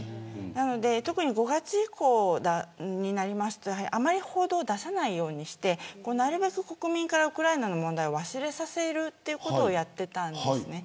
特に５月以降になるとあまり報道を出さないようにしてなるべく国民からウクライナの問題を忘れさせるということをやっていたんです。